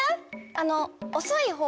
あのおそいほう？